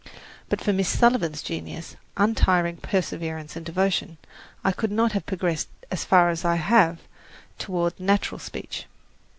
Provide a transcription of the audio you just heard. But for Miss Sullivan's genius, untiring perseverance and devotion, I could not have progressed as far as I have toward natural speech.